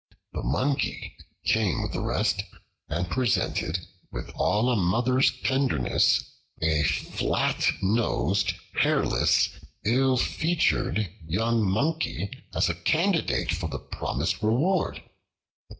The Monkey came with the rest and presented, with all a mother's tenderness, a flat nosed, hairless, ill featured young Monkey as a candidate for the promised reward.